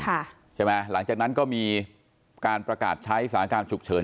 ใช่ไหมหลังจากนั้นก็มีการประกาศใช้สถานการณ์ฉุกเฉิน